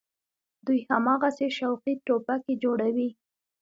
دوى هماغسې شوقي ټوپکې جوړوي.